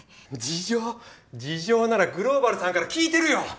事情ならグローバルさんから聞いてるよ！